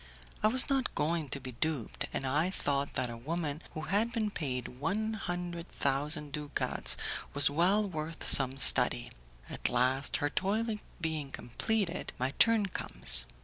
I was not going to be duped, and I thought that a woman who had been paid one hundred thousand ducats was well worth some study. At last, her toilet being completed, my turn comes.